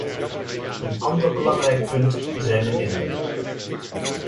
Een ander belangrijk punt zijn de middelen.